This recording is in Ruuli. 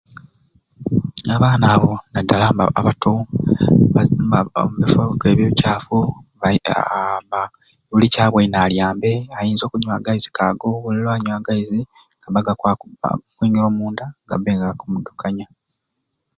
Abaana abo naddala mbe abato nibabba omubifo k'ebyo ebicaafu baitaa bo buli kyaboine alya mbe bainza okunywa agaizi k'ago buli lwanywa agaizi gabba gakwaba kumwingira o munda gabbe nga gakumudukanya.